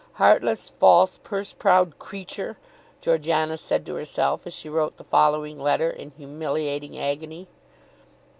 "Heartless, false, purse proud creature," Georgiana said to herself as she wrote the following letter in humiliating agony.